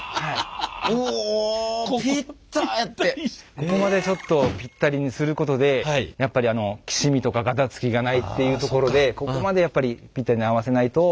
ここまでちょっとピッタリにすることでやっぱりきしみとかガタつきがないっていうところでここまでやっぱりピッタリに合わせないと。